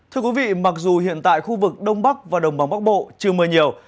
thưa quý vị mặc dù hiện tại khu vực đông bắc và đồng bằng bắc bộ chưa mưa nhiều